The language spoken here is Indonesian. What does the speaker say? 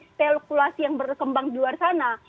spelkulasi yang berkembang di luar sana